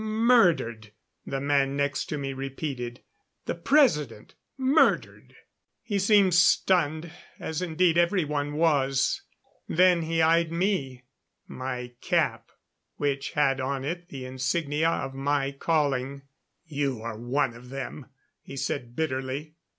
"Murdered," the man next to me repeated. "The President murdered." He seemed stunned, as indeed everyone was. Then he eyed me my cap, which had on it the insignia of my calling. "You are one of them," he said bitterly.